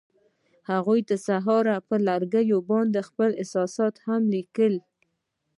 هغوی د سهار پر لرګي باندې خپل احساسات هم لیکل.